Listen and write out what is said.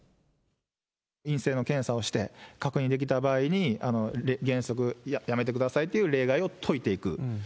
陰性の検査をして確認できた場合に、原則やめてくださいという例外を解いていく。